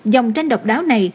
dòng tranh độc đáo này